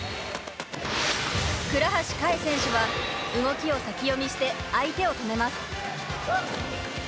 倉橋香衣選手は動きを先読みして相手を止めます。